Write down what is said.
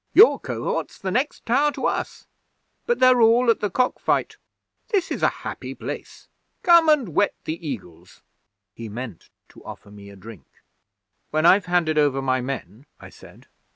"Your Cohort's the next tower to us, but they're all at the cock fight. This is a happy place. Come and wet the Eagles." He meant to offer me a drink. '"When I've handed over my men," I said.